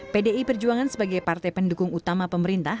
pdi perjuangan sebagai partai pendukung utama pemerintah